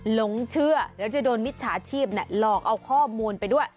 หลงเชื่อเดี๋ยวจะโดนมิจฉาชีพหลอกเอาข้อมูลไปด้วย